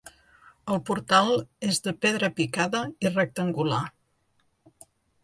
El portal és de pedra picada i rectangular.